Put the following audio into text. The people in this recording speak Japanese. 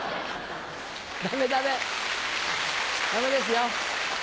ダメダメダメですよ。